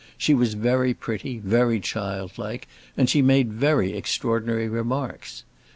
She was very pretty, very childlike, and she made very extraordinary remarks.